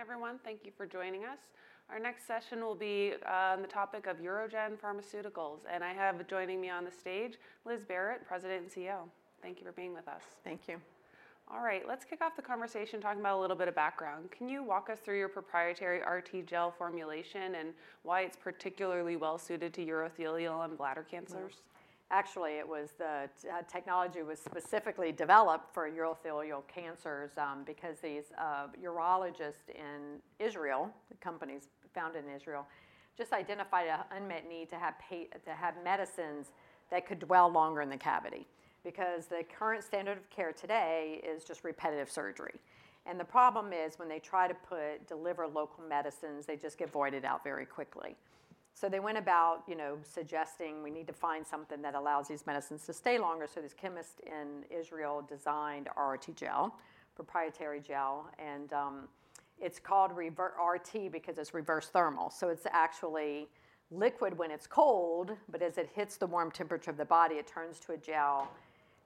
Everyone, thank you for joining us. Our next session will be on the topic of UroGen Pharmaceuticals, and I have joining me on the stage, Liz Barrett, President and CEO. Thank you for being with us. Thank you. All right, let's kick off the conversation talking about a little bit of background. Can you walk us through your proprietary RTGel formulation and why it's particularly well suited to urothelial and bladder cancers? Actually, it was the technology that was specifically developed for urothelial cancers because these urologists in Israel, the companies founded in Israel, just identified an unmet need to have medicines that could dwell longer in the cavity. Because the current standard of care today is just repetitive surgery, and the problem is when they try to deliver local medicines, they just get voided out very quickly. So they went about, you know, suggesting we need to find something that allows these medicines to stay longer. So this chemist in Israel designed RTGel, proprietary gel, and it's called RTGel because it's reverse-thermal. So it's actually liquid when it's cold, but as it hits the warm temperature of the body, it turns to a gel,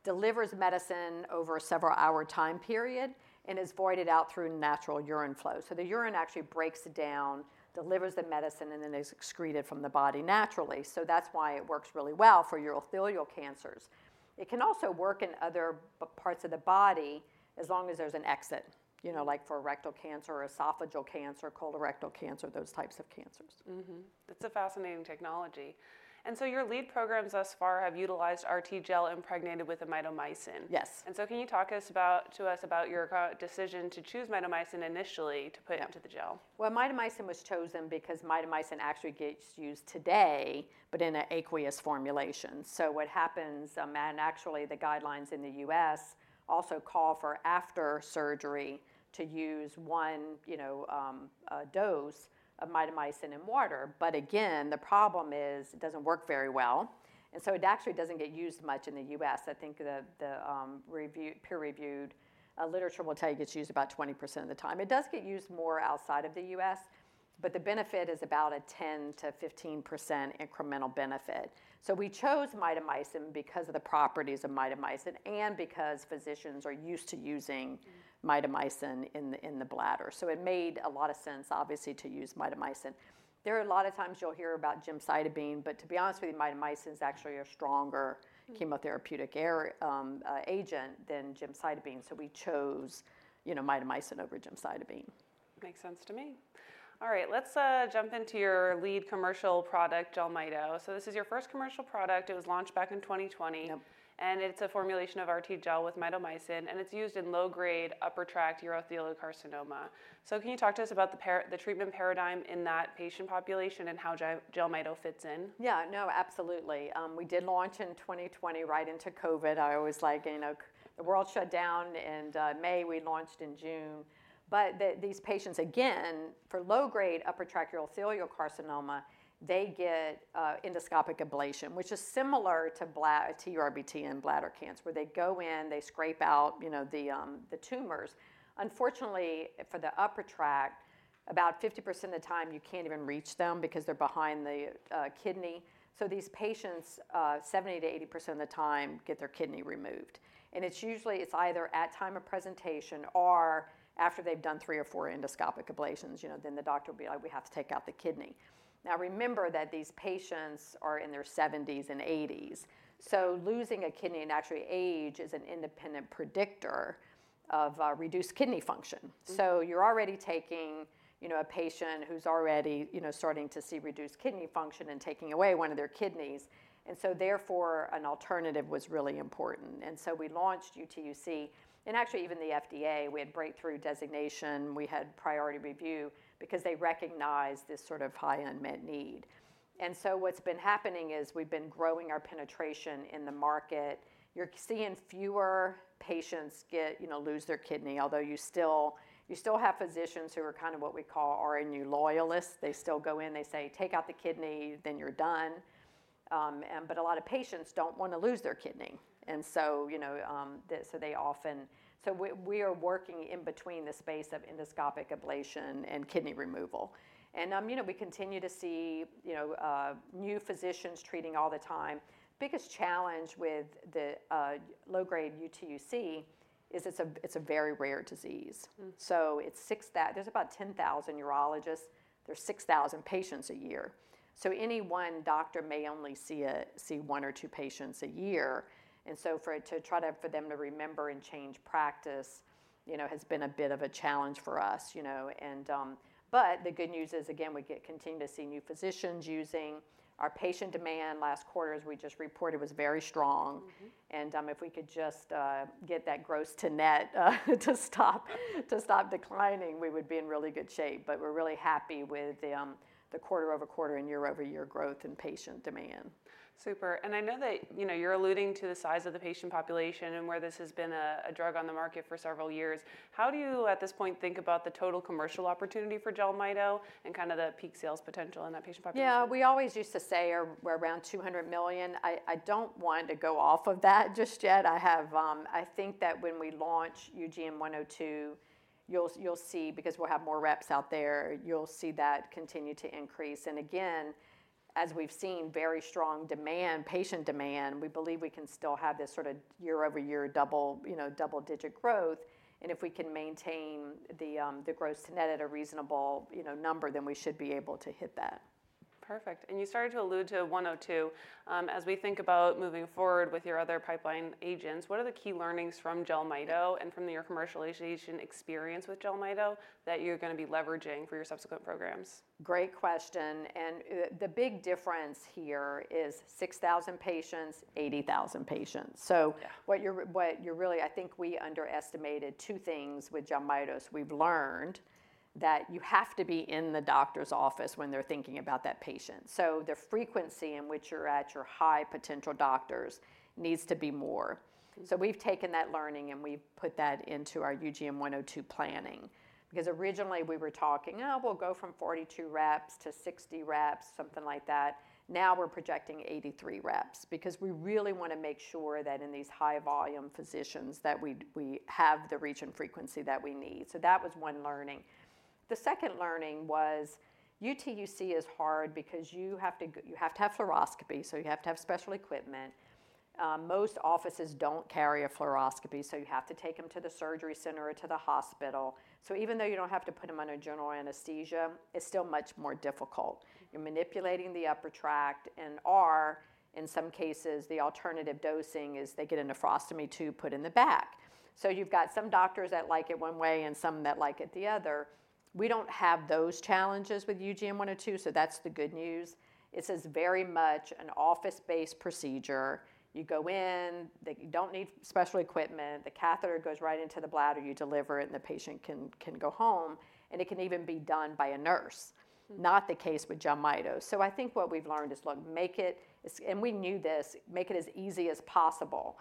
delivers medicine over a several-hour time period, and is voided out through natural urine flow. So the urine actually breaks down, delivers the medicine, and then it's excreted from the body naturally. So that's why it works really well for urothelial cancers. It can also work in other parts of the body as long as there's an exit, you know, like for rectal cancer, esophageal cancer, colorectal cancer, those types of cancers. That's a fascinating technology. And so your lead programs thus far have utilized RTGel impregnated with a mitomycin. Yes. And so can you talk to us about your decision to choose mitomycin initially to put into the gel? Mitomycin was chosen because mitomycin actually gets used today, but in an aqueous formulation. So what happens is, and actually the guidelines in the U.S. also call for after surgery to use one, you know, dose of mitomycin in water. But again, the problem is it doesn't work very well. And so it actually doesn't get used much in the U.S. I think the peer-reviewed literature will tell you it gets used about 20% of the time. It does get used more outside of the U.S., but the benefit is about a 10%-15% incremental benefit. So we chose mitomycin because of the properties of mitomycin and because physicians are used to using mitomycin in the bladder. So it made a lot of sense, obviously, to use mitomycin. There are a lot of times you'll hear about gemcitabine, but to be honest with you, mitomycin is actually a stronger chemotherapeutic agent than gemcitabine. So we chose, you know, mitomycin over gemcitabine. Makes sense to me. All right, let's jump into your lead commercial product, JELMYTO. So this is your first commercial product. It was launched back in 2020, and it's a formulation of RTGel with mitomycin, and it's used in low-grade upper tract urothelial carcinoma. So can you talk to us about the treatment paradigm in that patient population and how JELMYTO fits in? Yeah, no, absolutely. We did launch in 2020 right into COVID. I was like, you know, the world shut down, and May we launched in June. But these patients, again, for low-grade upper tract urothelial carcinoma, they get endoscopic ablation, which is similar to TURBT in bladder cancer, where they go in, they scrape out, you know, the tumors. Unfortunately, for the upper tract, about 50% of the time you can't even reach them because they're behind the kidney. So these patients, 70%-80% of the time, get their kidney removed. And it's usually either at time of presentation or after they've done three or four endoscopic ablations, you know, then the doctor will be like, "we have to take out the kidney." Now remember that these patients are in their 70s and 80s. So losing a kidney and actually age is an independent predictor of reduced kidney function. So you're already taking, you know, a patient who's already, you know, starting to see reduced kidney function and taking away one of their kidneys. And so therefore an alternative was really important. And so we launched UTUC and actually even the FDA. We had breakthrough designation. We had priority review because they recognized this sort of high unmet need. And so what's been happening is we've been growing our penetration in the market. You're seeing fewer patients get, you know, lose their kidney, although you still have physicians who are kind of what we call RNU loyalists. They still go in, they say, take out the kidney, then you're done. But a lot of patients don't want to lose their kidney. And so, you know, so they often, so we are working in between the space of endoscopic ablation and kidney removal. You know, we continue to see, you know, new physicians treating all the time. The biggest challenge with the low-grade UTUC is it's a very rare disease. So it's such that there's about 10,000 urologists. There's 6,000 patients a year. So any one doctor may only see one or two patients a year. And so for them to remember and change practice, you know, has been a bit of a challenge for us, you know. But the good news is, again, we continue to see new physicians using. Our patient demand last quarter, as we just reported, was very strong. And if we could just get that gross-to-net to stop declining, we would be in really good shape. But we're really happy with the quarter-over-quarter and year-over-year growth in patient demand. Super. And I know that, you know, you're alluding to the size of the patient population and where this has been a drug on the market for several years. How do you at this point think about the total commercial opportunity for JELMYTO and kind of the peak sales potential in that patient population? Yeah, we always used to say we're around $200 million. I don't want to go off of that just yet. I have, I think that when we launch UGN-102, you'll see, because we'll have more reps out there, you'll see that continue to increase. And again, as we've seen very strong demand, patient demand, we believe we can still have this sort of year-over-year double, you know, double-digit growth. And if we can maintain the gross-to-net at a reasonable, you know, number, then we should be able to hit that. Perfect. And you started to allude to UGN-102, as we think about moving forward with your other pipeline agents, what are the key learnings from JELMYTO and from your commercialization experience with JELMYTO that you're going to be leveraging for your subsequent programs? Great question. And the big difference here is 6,000 patients, 80,000 patients. So what you're really, I think we underestimated two things with JELMYTO. We've learned that you have to be in the doctor's office when they're thinking about that patient. So the frequency in which you're at your high potential doctors needs to be more. So we've taken that learning and we've put that into our UGN-102 planning. Because originally we were talking, oh, we'll go from 42 reps to 60 reps, something like that. Now we're projecting 83 reps because we really want to make sure that in these high-volume physicians that we have the reach and frequency that we need. So that was one learning. The second learning was UTUC is hard because you have to have fluoroscopy. So you have to have special equipment. Most offices don't carry a fluoroscopy. So you have to take them to the surgery center or to the hospital. So even though you don't have to put them under general anesthesia, it's still much more difficult. You're manipulating the upper tract and, or in some cases, the alternative dosing is they get a nephrostomy tube put in the back. So you've got some doctors that like it one way and some that like it the other. We don't have those challenges with UGN-102. So that's the good news. It's very much an office-based procedure. You go in, you don't need special equipment. The catheter goes right into the bladder. You deliver it and the patient can go home. And it can even be done by a nurse. Not the case with JELMYTO. So I think what we've learned is, look, make it, and we knew this, make it as easy as possible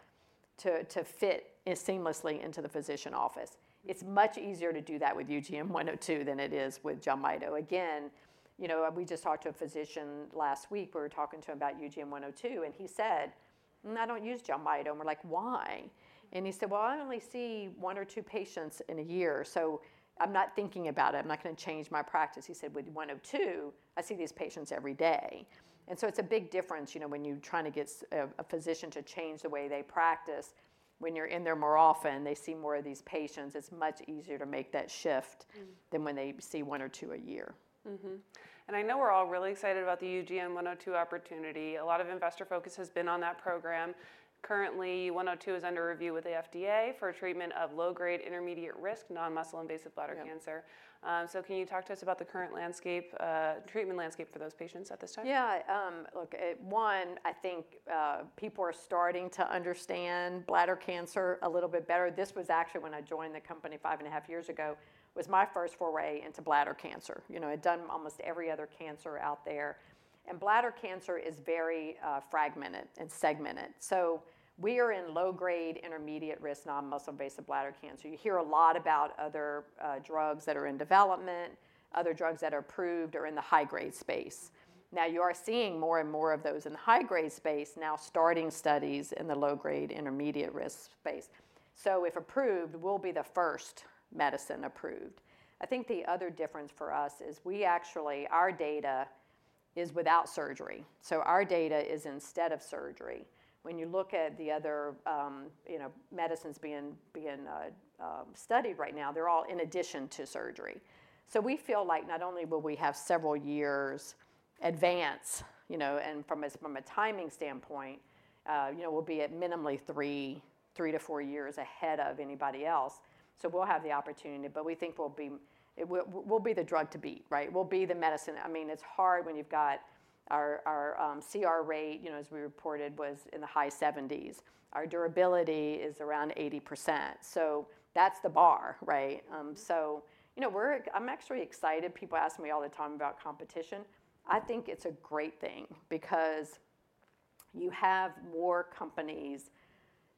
to fit seamlessly into the physician office. It's much easier to do that with UGN-102 than it is with JELMYTO. Again, you know, we just talked to a physician last week. We were talking to him about UGN-102 and he said, I don't use JELMYTO. And we're like, why? And he said, well, I only see one or two patients in a year. So I'm not thinking about it. I'm not going to change my practice. He said, with UGN-102, I see these patients every day. And so it's a big difference, you know, when you're trying to get a physician to change the way they practice. When you're in there more often, they see more of these patients. It's much easier to make that shift than when they see one or two a year. I know we're all really excited about the UGN-102 opportunity. A lot of investor focus has been on that program. Currently, UGN-102 is under review with the FDA for treatment of low-grade, intermediate-risk, non-muscle-invasive bladder cancer. So can you talk to us about the current landscape, treatment landscape for those patients at this time? Yeah. Look, one, I think people are starting to understand bladder cancer a little bit better. This was actually when I joined the company five and a half years ago, was my first foray into bladder cancer. You know, I'd done almost every other cancer out there, and bladder cancer is very fragmented and segmented, so we are in low-grade, intermediate-risk, non-muscle-invasive bladder cancer. You hear a lot about other drugs that are in development, other drugs that are approved or in the high-grade space. Now you are seeing more and more of those in the high-grade space now starting studies in the low-grade, intermediate-risk space, so if approved, we'll be the first medicine approved. I think the other difference for us is we actually, our data is without surgery, so our data is instead of surgery. When you look at the other, you know, medicines being studied right now, they're all in addition to surgery. So we feel like not only will we have several years advance, you know, and from a timing standpoint, you know, we'll be at minimally three to four years ahead of anybody else. So we'll have the opportunity, but we think we'll be the drug to beat, right? We'll be the medicine. I mean, it's hard when you've got our CR rate, you know, as we reported was in the high 70s. Our durability is around 80%. So that's the bar, right? So, you know, I'm actually excited. People ask me all the time about competition. I think it's a great thing because you have more companies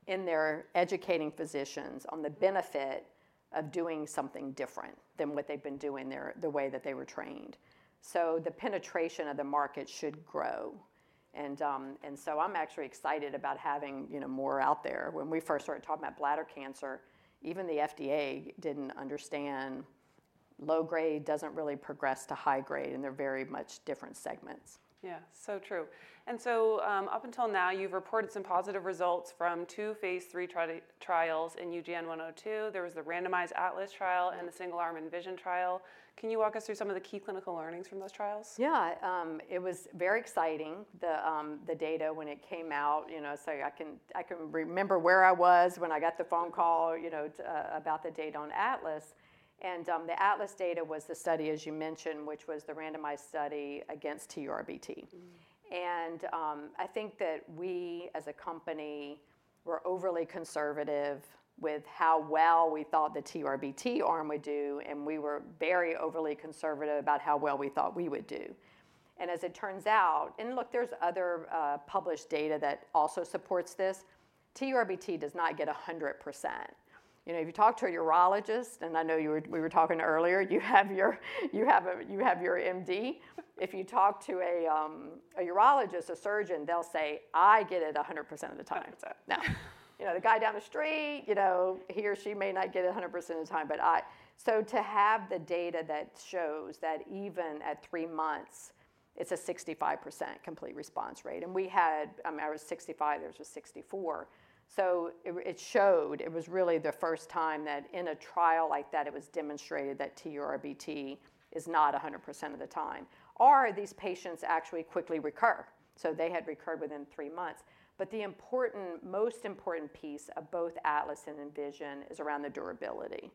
in there educating physicians on the benefit of doing something different than what they've been doing the way that they were trained. So the penetration of the market should grow. And so I'm actually excited about having, you know, more out there. When we first started talking about bladder cancer, even the FDA didn't understand low-grade doesn't really progress to high-grade and they're very much different segments. Yeah, so true. And so up until now, you've reported some positive results from two phase III trials in UGN-102. There was the randomized ATLAS trial and the single-arm ENVISION trial. Can you walk us through some of the key clinical learnings from those trials? Yeah, it was very exciting. The data when it came out, you know, so I can remember where I was when I got the phone call, you know, about the data on ATLAS. And the ATLAS data was the study, as you mentioned, which was the randomized study against TURBT. And I think that we as a company were overly conservative with how well we thought the TURBT arm would do. And we were very overly conservative about how well we thought we would do. And as it turns out, and look, there's other published data that also supports this. TURBT does not get 100%. You know, if you talk to a urologist, and I know we were talking earlier, you have your MD. If you talk to a urologist, a surgeon, they'll say, I get it 100% of the time. Now, you know, the guy down the street, you know, he or she may not get it 100% of the time, but so to have the data that shows that even at three months, it's a 65% complete response rate. And we had, I mean, I was 65, there was a 64, so it showed it was really the first time that in a trial like that, it was demonstrated that TURBT is not 100% of the time or these patients actually quickly recur. So they had recurred within three months. But the important, most important piece of both ATLAS and ENVISION is around the durability.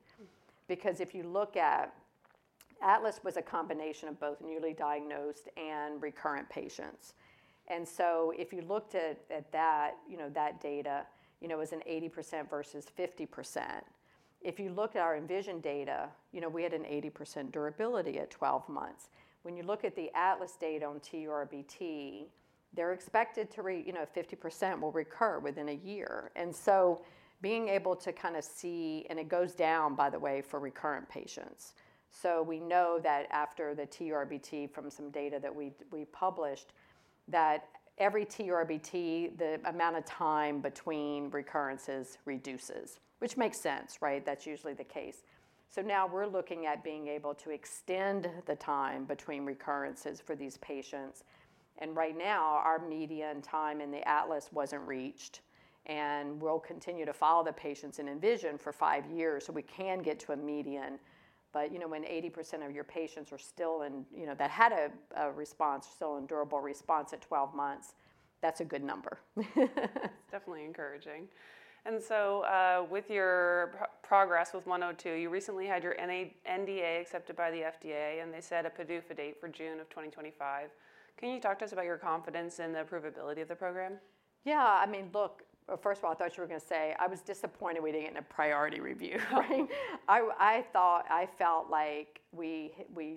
Because if you look at ATLAS was a combination of both newly diagnosed and recurrent patients. And so if you looked at that, you know, that data, you know, it was an 80% versus 50%. If you looked at our ENVISION data, you know, we had an 80% durability at 12 months. When you look at the ATLAS data on TURBT, they're expected to, you know, 50% will recur within a year, and so being able to kind of see, and it goes down, by the way, for recurrent patients, so we know that after the TURBT from some data that we published, that every TURBT, the amount of time between recurrences reduces, which makes sense, right? That's usually the case, so now we're looking at being able to extend the time between recurrences for these patients, and right now, our median time in the ATLAS wasn't reached, and we'll continue to follow the patients in ENVISION for five years so we can get to a median. But, you know, when 80% of your patients are still in, you know, that had a response, still a durable response at 12 months, that's a good number. It's definitely encouraging. And so with your progress with UGN-102, you recently had your NDA accepted by the FDA and they set a PDUFA date for June of 2025. Can you talk to us about your confidence in the approvability of the program? Yeah, I mean, look, first of all, I thought you were going to say I was disappointed we didn't get a priority review, right? I thought, I felt like we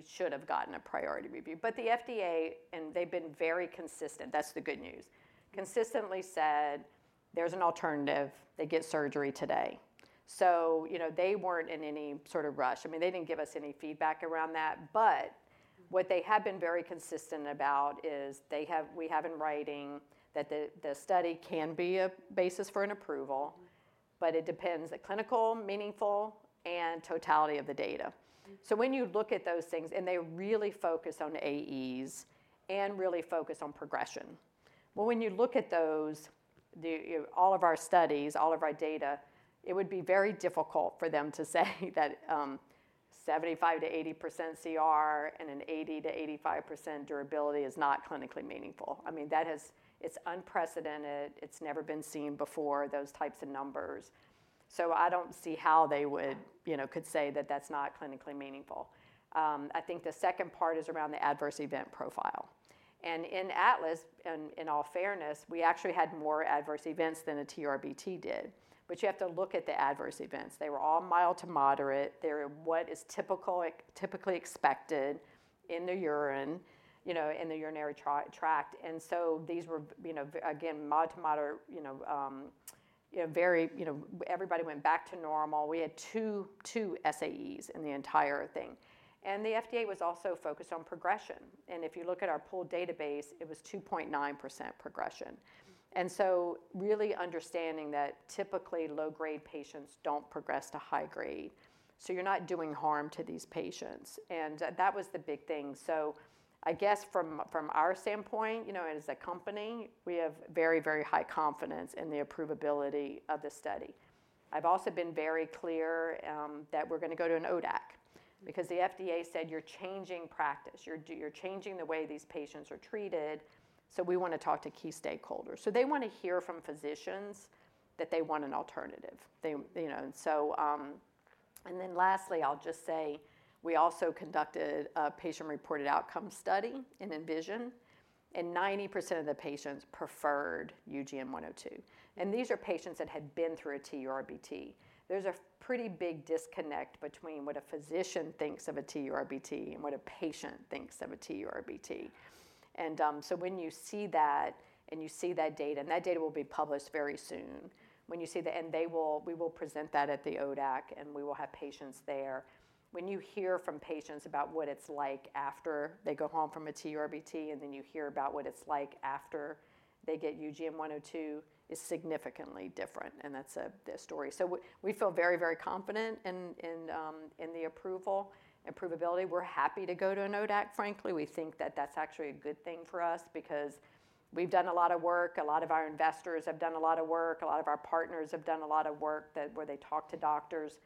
should have gotten a priority review. But the FDA and they've been very consistent. That's the good news. They consistently said there's an alternative. They get surgery today. So, you know, they weren't in any sort of rush. I mean, they didn't give us any feedback around that. But what they have been very consistent about is we have in writing that the study can be a basis for an approval, but it depends on clinically meaningful and totality of the data. So when you look at those things and they really focus on AEs and really focus on progression. When you look at those, all of our studies, all of our data, it would be very difficult for them to say that 75%-80% CR and an 80%-85% durability is not clinically meaningful. I mean, that has, it's unprecedented. It's never been seen before, those types of numbers. So I don't see how they would, you know, could say that that's not clinically meaningful. I think the second part is around the adverse event profile. And in ATLAS, in all fairness, we actually had more adverse events than a TURBT did. But you have to look at the adverse events. They were all mild to moderate. They're what is typically expected in the urine, you know, in the urinary tract. And so these were, you know, again, mild to moderate, very, you know, everybody went back to normal. We had two SAEs in the entire thing, and the FDA was also focused on progression, and if you look at our pooled database, it was 2.9% progression, and so really understanding that typically low-grade patients don't progress to high-grade, so you're not doing harm to these patients, and that was the big thing. So I guess from our standpoint, you know, as a company, we have very, very high confidence in the approvability of the study. I've also been very clear that we're going to go to an ODAC because the FDA said you're changing practice. You're changing the way these patients are treated, so we want to talk to key stakeholders, so they want to hear from physicians that they want an alternative, you know, and so, and then lastly, I'll just say we also conducted a patient-reported outcome study in ENVISION and 90% of the patients preferred UGN-102. These are patients that had been through a TURBT. There's a pretty big disconnect between what a physician thinks of a TURBT and what a patient thinks of a TURBT. So when you see that and you see that data, and that data will be published very soon, when you see that, and they will, we will present that at the ODAC and we will have patients there. When you hear from patients about what it's like after they go home from a TURBT and then you hear about what it's like after they get UGN-102 is significantly different. That's a story. We feel very, very confident in the approval and approvability. We're happy to go to an ODAC, frankly. We think that that's actually a good thing for us because we've done a lot of work. A lot of our investors have done a lot of work. A lot of our partners have done a lot of work where they talk to doctors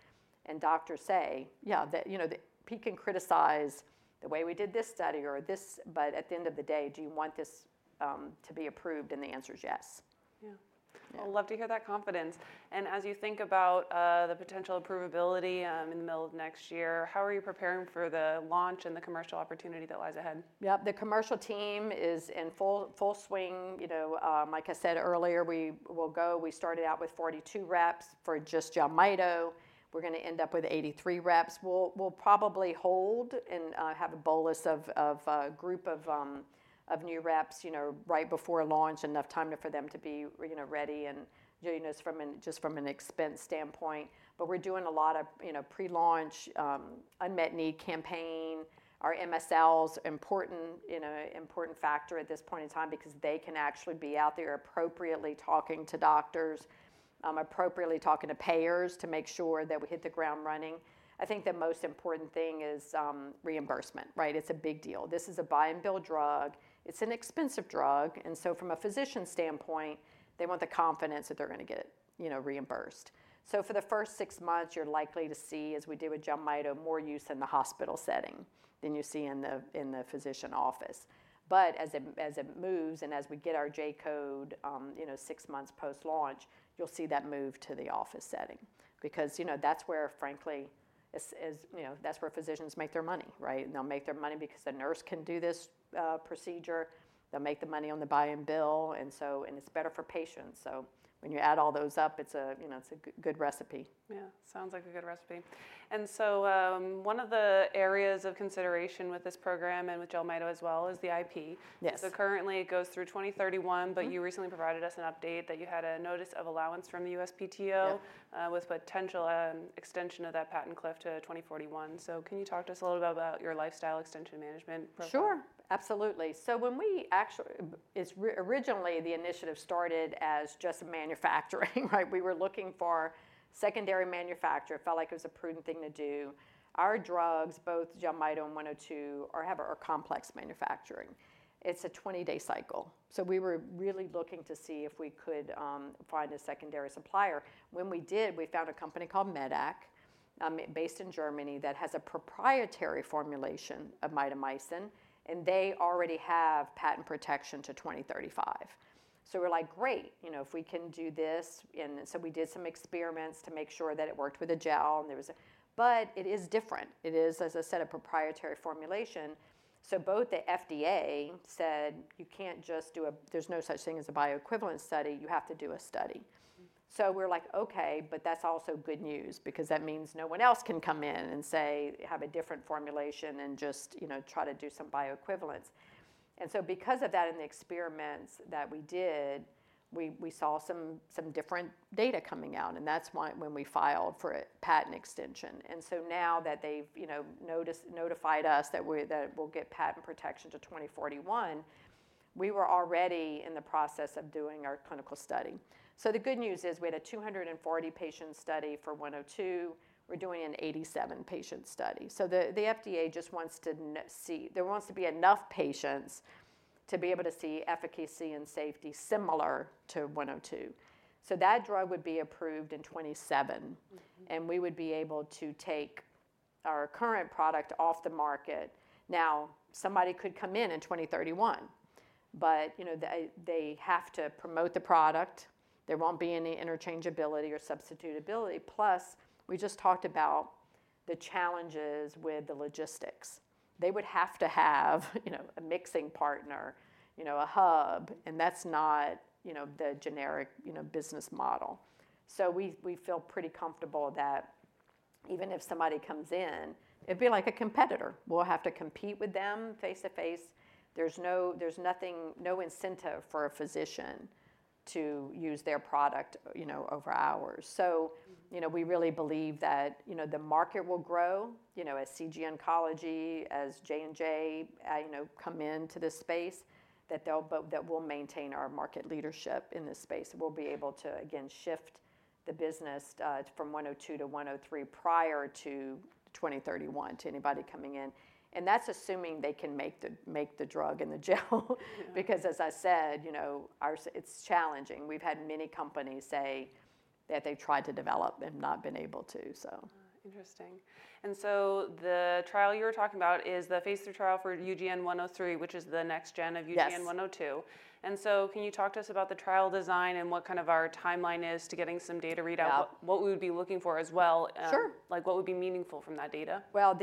and doctors say, yeah, that, you know, he can criticize the way we did this study or this, but at the end of the day, do you want this to be approved? And the answer is yes. Yeah, well, love to hear that confidence, and as you think about the potential approvability in the middle of next year, how are you preparing for the launch and the commercial opportunity that lies ahead? Yep. The commercial team is in full swing. You know, like I said earlier, we will go, we started out with 42 reps for just JELMYTO. We're going to end up with 83 reps. We'll probably hold and have a bolus of a group of new reps, you know, right before launch, enough time for them to be, you know, ready and, you know, just from an expense standpoint. But we're doing a lot of, you know, pre-launch unmet need campaign. Our MSL is an important, you know, important factor at this point in time because they can actually be out there appropriately talking to doctors, appropriately talking to payers to make sure that we hit the ground running. I think the most important thing is reimbursement, right? It's a big deal. This is a buy-and-bill drug. It's an expensive drug. From a physician standpoint, they want the confidence that they're going to get, you know, reimbursed. For the first six months, you're likely to see, as we do with JELMYTO, more use in the hospital setting than you see in the physician office. But as it moves and as we get our J code, you know, six months post-launch, you'll see that move to the office setting. Because, you know, that's where, frankly, you know, that's where physicians make their money, right? They'll make their money because the nurse can do this procedure. They'll make the money on the buy-and-bill. And it's better for patients. When you add all those up, it's a, you know, it's a good recipe. Yeah. Sounds like a good recipe. And so one of the areas of consideration with this program and with JELMYTO as well is the IP. Yes. Currently it goes through 2031, but you recently provided us an update that you had a notice of allowance from the USPTO with potential extension of that patent cliff to 2041. Can you talk to us a little bit about your lifespan extension management program? Sure. Absolutely. So when we actually, it's originally the initiative started as just manufacturing, right? We were looking for secondary manufacturer. It felt like it was a prudent thing to do. Our drugs, both JELMYTO and UGN-102, are complex manufacturing. It's a 20-day cycle. So we were really looking to see if we could find a secondary supplier. When we did, we found a company called medac based in Germany that has a proprietary formulation of mitomycin. And they already have patent protection to 2035. So we're like, great, you know, if we can do this. And so we did some experiments to make sure that it worked with a gel, but it is different. It is, as I said, a proprietary formulation. So both the FDA said you can't just do a, there's no such thing as a bioequivalent study. You have to do a study. So we're like, okay, but that's also good news because that means no one else can come in and say, have a different formulation and just, you know, try to do some bioequivalence. And so because of that and the experiments that we did, we saw some different data coming out. And that's why when we filed for patent extension. And so now that they've, you know, notified us that we'll get patent protection to 2041, we were already in the process of doing our clinical study. So the good news is we had a 240-patient study for UGN-102. We're doing an 87-patient study. So the FDA just wants to see, there wants to be enough patients to be able to see efficacy and safety similar to UGN-102. So that drug would be approved in 2027. And we would be able to take our current product off the market. Now, somebody could come in in 2031, but, you know, they have to promote the product. There won't be any interchangeability or substitutability. Plus, we just talked about the challenges with the logistics. They would have to have, you know, a mixing partner, you know, a hub. And that's not, you know, the generic, you know, business model. So we feel pretty comfortable that even if somebody comes in, it'd be like a competitor. We'll have to compete with them face to face. There's nothing, no incentive for a physician to use their product, you know, over hours. So, you know, we really believe that, you know, the market will grow, you know, as CG Oncology, as J&J, you know, come into this space, that they'll, that we'll maintain our market leadership in this space. We'll be able to, again, shift the business from UGN-102 to UGN-103 prior to 2031, to anybody coming in. And that's assuming they can make the drug and the gel. Because, as I said, you know, it's challenging. We've had many companies say that they've tried to develop and not been able to, so. Interesting. And so the trial you were talking about is the phase III trial for UGN-103, which is the next gen of UGN-102. And so can you talk to us about the trial design and what kind of our timeline is to getting some data readout? What we would be looking for as well. Sure. Like what would be meaningful from that data? Well,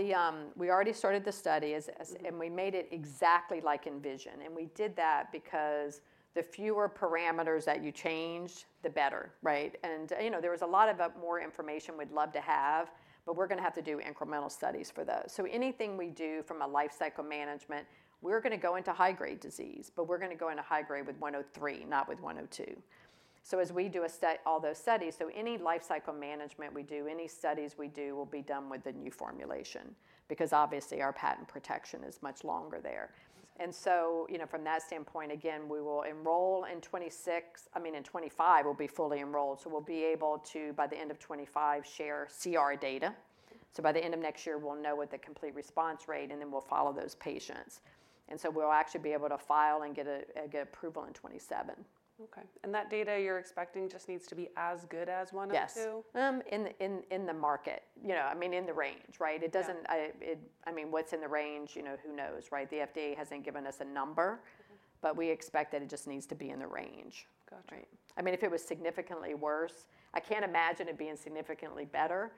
we already started the study and we made it exactly like ENVISION. And we did that because the fewer parameters that you change, the better, right? And, you know, there was a lot of more information we'd love to have, but we're going to have to do incremental studies for those. So anything we do from a lifecycle management, we're going to go into high-grade disease, but we're going to go into high-grade with 103, not with 102. So as we do all those studies, so any lifecycle management we do, any studies we do will be done with the new formulation because obviously our patent protection is much longer there. And so, you know, from that standpoint, again, we will enroll in 2026, I mean, in 2025, we'll be fully enrolled. So we'll be able to, by the end of 2025, share CR data. So by the end of next year, we'll know what the Complete Response rate and then we'll follow those patients. And so we'll actually be able to file and get approval in 2027. Okay. And that data you're expecting just needs to be as good as 102? Yes. In the market, you know, I mean, in the range, right? It doesn't, I mean, what's in the range, you know, who knows, right? The FDA hasn't given us a number, but we expect that it just needs to be in the range. Gotcha. Right. I mean, if it was significantly worse, I can't imagine it being significantly better,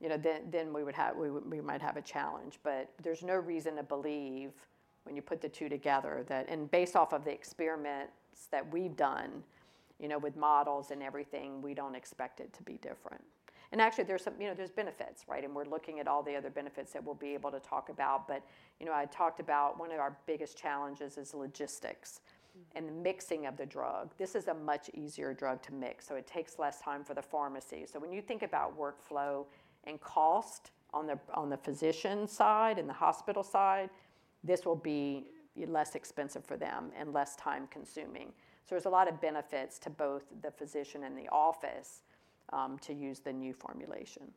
you know, then we would have, we might have a challenge. But there's no reason to believe when you put the two together that, and based off of the experiments that we've done, you know, with models and everything, we don't expect it to be different. And actually there's, you know, there's benefits, right? And we're looking at all the other benefits that we'll be able to talk about. But, you know, I talked about one of our biggest challenges is logistics and the mixing of the drug. This is a much easier drug to mix. So it takes less time for the pharmacy. So when you think about workflow and cost on the physician side and the hospital side, this will be less expensive for them and less time-consuming. There's a lot of benefits to both the physician and the office to use the new formulation.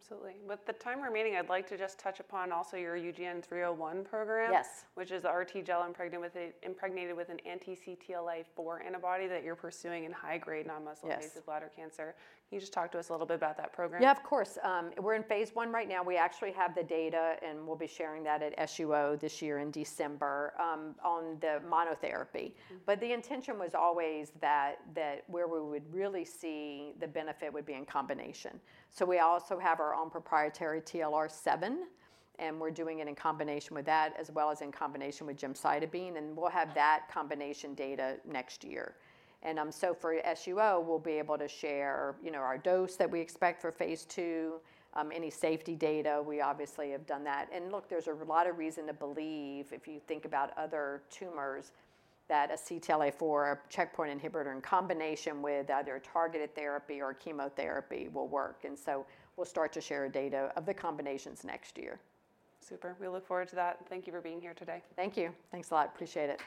Absolutely. With the time remaining, I'd like to just touch upon also your UGN-301 program. Yes. Which is RTGel impregnated with an anti-CTLA-4 antibody that you're pursuing in high-grade non-muscle-invasive bladder cancer. Can you just talk to us a little bit about that program? Yeah, of course. We're in phase I right now. We actually have the data and we'll be sharing that at SUO this year in December on the monotherapy. But the intention was always that where we would really see the benefit would be in combination. So we also have our own proprietary TLR7 and we're doing it in combination with that as well as in combination with gemcitabine. And we'll have that combination data next year. And so for SUO, we'll be able to share, you know, our dose that we expect for phase two, any safety data. We obviously have done that. And look, there's a lot of reason to believe if you think about other tumors, that a CTLA-4 checkpoint inhibitor in combination with either targeted therapy or chemotherapy will work. And so we'll start to share data of the combinations next year. Super. We look forward to that. Thank you for being here today. Thank you. Thanks a lot. Appreciate it.